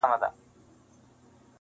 نن به هرڅه چا لرل سبا به خوار وو-